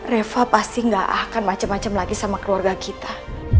reva pasti gak akan macam macam lagi sama keluarga kita